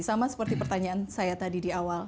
sama seperti pertanyaan saya tadi di awal